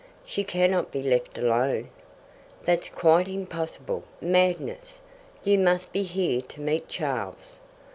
"She cannot be left alone." "That's quite impossible! Madness. You must be here to meet Charles."